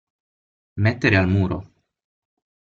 Mettere al muro.